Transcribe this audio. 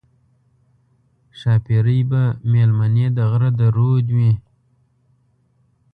ښاپېرۍ به مېلمنې د غره د رود وي